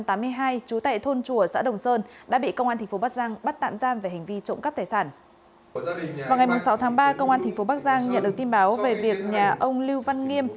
vào ngày sáu tháng ba công an tp bắc giang nhận được tin báo về việc nhà ông lưu văn nghiêm